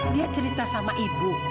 dia cerita sama ibu